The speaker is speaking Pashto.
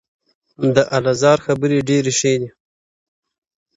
د اله زار خبري ډېري ښې دي؛